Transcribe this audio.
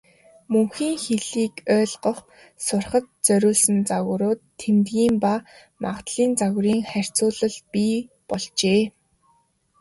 Мөн хэлийг ойлгох, сурахад зориулсан загварууд, тэмдгийн ба магадлалын загварын харьцуулал бий болжээ.